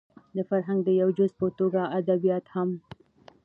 د فرهنګ د يوه جز په توګه ادبيات هم